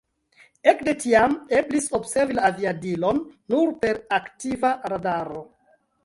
Ekde tiam eblis observi la aviadilon nur per aktiva radaro.